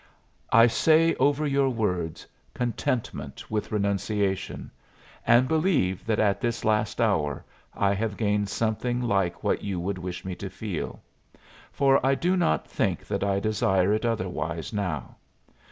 I say over your words, Contentment with renunciation, and believe that at this last hour I have gained something like what you would wish me to feel. For I do not think that I desire it otherwise now.